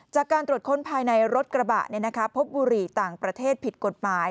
จากการตรวจค้นภายในรถกระบะพบบุหรี่ต่างประเทศผิดกฎหมาย